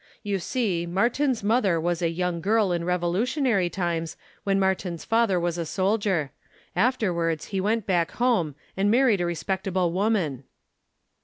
You see, Martin's mother was a young girl in Revolu tionary times when Martin's father was a soldier. Afterwards he went back home and married a respect able woman."